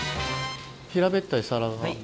平べったい皿が。